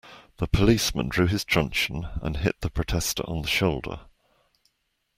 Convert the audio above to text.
The policeman drew his truncheon, and hit the protester on the shoulder